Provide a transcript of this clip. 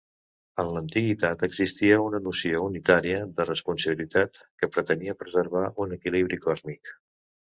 En l'antiguitat, existia una noció unitària de responsabilitat que pretenia preservar un equilibri còsmic.